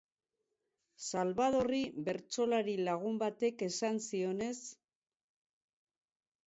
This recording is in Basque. Xalbadorri bertsolari lagun batek esan zionez.